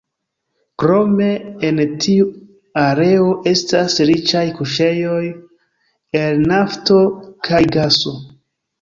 Krome en tiu areo estas riĉaj kuŝejoj el nafto kaj gaso.